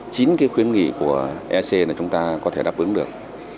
chính cái khuyến nghị của ec là chúng ta có thể đáp ứng được